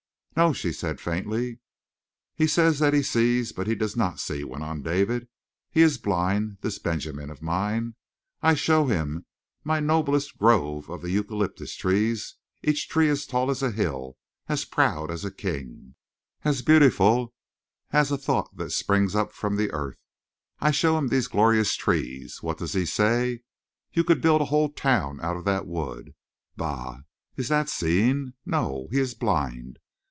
"No," she said faintly. "He says that he sees, but he does not see," went on David. "He is blind, this Benjamin of mine. I show him my noblest grove of the eucalyptus trees, each tree as tall as a hill, as proud as a king, as beautiful as a thought that springs up from the earth. I show him these glorious trees. What does he say? 'You could build a whole town out of that wood!' Bah! Is that seeing? No, he is blind!